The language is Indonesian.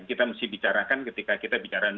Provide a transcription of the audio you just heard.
kita mesti bicarakan ketika kita bicara